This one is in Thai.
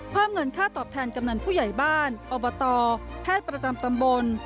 เพิ่มเงินค่าตอบแทนกำนันผู้ใหญ่บ้านอบตแพทย์ประจำตำบล